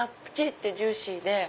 ってジューシーで。